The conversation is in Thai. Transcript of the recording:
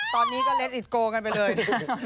ตอนนี้ก็เล็ทอิทโก้แล้วกันไปเลย